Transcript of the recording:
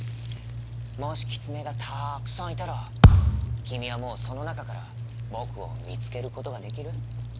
「もしキツネがたくさんいたらきみはもうそのなかから『ぼく』をみつけることができる？」。